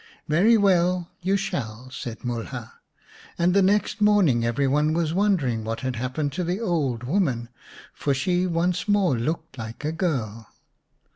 " Very well, you shall," said Mulha. And the next morning every one was wondering what had happened to the old woman, for she once more looked like a girl.